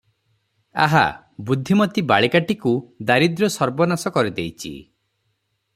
ଆହା ବୁଦ୍ଧିମତୀ ବାଳିକାଟିକୁ ଦାରିଦ୍ର୍ୟ ସର୍ବନାଶ କରି ଦେଇଚି-" ।